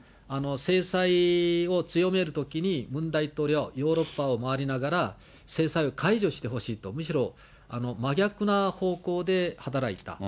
制裁を強めるときに、ムン大統領はヨーロッパを回りながら、制裁を解除してほしいと、むしろ真逆な方向で働いた。